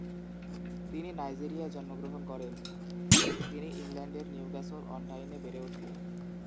তিনি নাইজেরিয়ায় জন্মগ্রহণ করেন। তিনি ইংল্যান্ডের নিউক্যাসল অন টাইনে বেড়ে ওঠেন।